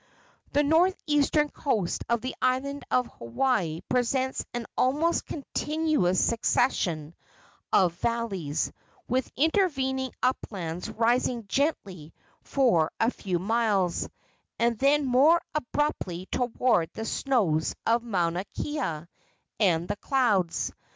The northeastern coast of the island of Hawaii presents an almost continuous succession of valleys, with intervening uplands rising gently for a few miles, and then more abruptly toward the snows of Mauna Kea and the clouds.